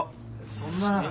そんな。